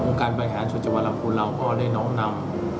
องค์การปัญหาสุจจวรรณภูมิเราก็ได้น้องนำ